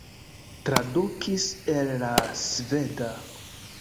Tradukis el la sveda.